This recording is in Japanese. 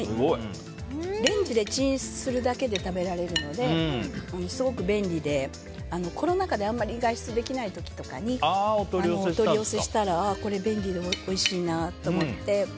レンジでチンするだけで食べられるのですごく便利で、コロナ禍であまり外出できない時とかにお取り寄せしたらこれ便利でおいしいなって思って。